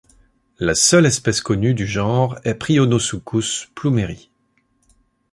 La seule espèce connue du genre est Prionosuchus plummeri.